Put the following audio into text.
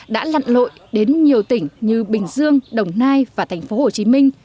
đã lặn lội đến nhiều tỉnh như bình dương đồng nai và thành phố hồ chí minh